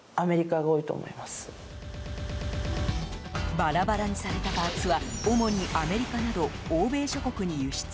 バラバラにされたパーツは主にアメリカなど欧米諸国に輸出。